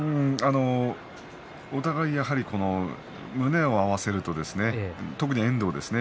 お互いやはり胸を合わせると特に遠藤ですね